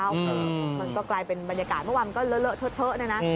มันก็กลายเป็นบรรยากาศเมื่อวานมันก็เลอะเทอะนะนะ